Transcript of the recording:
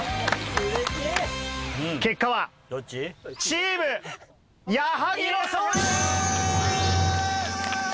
結果はチーム矢作の勝利です！